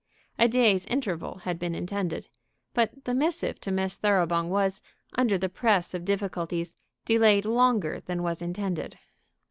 A day's interval had been intended. But the missive to Miss Thoroughbung was, under the press of difficulties, delayed longer than was intended.